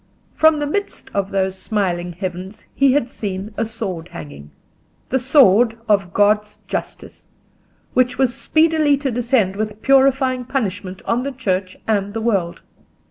From the midst of those smiling heavens he had seen a sword hanging—the sword of God's justice—which was speedily to descend with purifying punishment on the Church and the world.